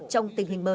trong tình hình mới